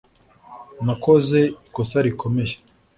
Nakoze ikosa rikomeye